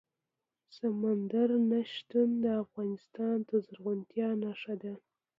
سمندر نه شتون د افغانستان د زرغونتیا نښه ده.